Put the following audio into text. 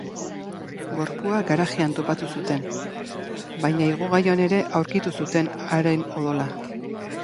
Gorpua garajean topatu zuten, baina igogailuan ere aurkitu zuten haren odola.